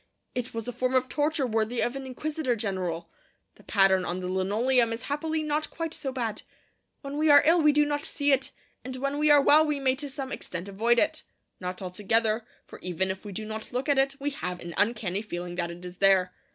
It was a form of torture worthy of an inquisitor general. The pattern on the linoleum is happily not quite so bad. When we are ill we do not see it; and when we are well we may to some extent avoid it. Not altogether; for even if we do not look at it, we have an uncanny feeling that it is there.